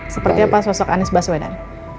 seperti apa sosok anies baswedan